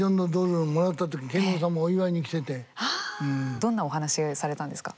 どんなお話されたんですか？